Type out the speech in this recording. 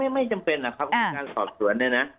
ไม่จำเป็นนะครับพนักงานสอบสวนเนี่ยนะ